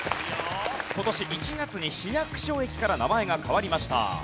今年１月に市役所駅から名前が変わりました。